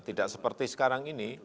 tidak seperti sekarang ini